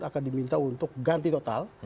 akan diminta untuk ganti total